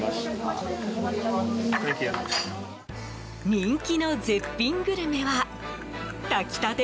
人気の絶品グルメは炊きたて